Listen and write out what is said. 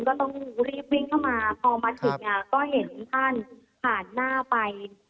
ก็ต้องรีบวิ่งเข้ามาพอมาถึงเนี่ยก็เห็นท่านผ่านหน้าไป